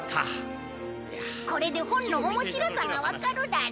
これで本の面白さがわかるだろ。